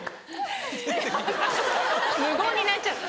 無言になっちゃった。